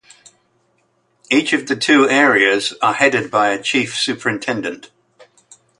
Each of the two areas are headed by a Chief Superintendent.